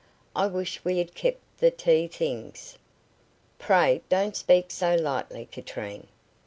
I wish we had kept the tea things." "Pray don't speak so lightly, Katrine."